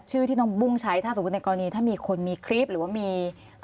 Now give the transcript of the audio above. ชื่อที่น้องบุ้งใช้ถ้าสมมุติในกรณีถ้ามีคนมีคลิปหรือว่ามี